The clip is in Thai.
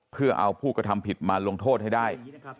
เพื่อเอาผู้กระทำผิดมาลงโทษให้ได้